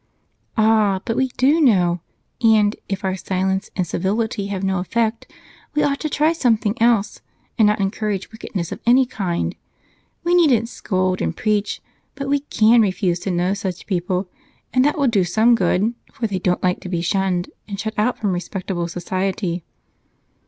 "Ah! But we do know, and if our silence and civility have no effect, we ought to try something else and not encourage wickedness of any kind. We needn't scold and preach, but we can refuse to know such people and that will do some good, for they don't like to be shunned and shut out from respectable society.